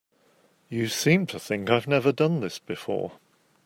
You seem to think I've never done this before.